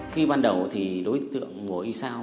khi ban đầu thì đối tượng mùa thị sao